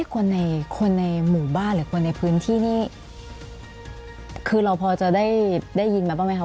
คนในคนในหมู่บ้านหรือคนในพื้นที่นี่คือเราพอจะได้ยินมาบ้างไหมคะ